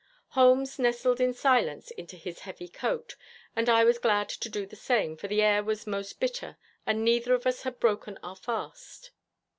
Holmes nestled in silence into his heavy coat, and I was glad to do the same, for the air was most bitter, and neither of us had broken our fast.